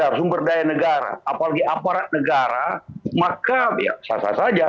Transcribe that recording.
apalagi aparat negara maka ya sasar saja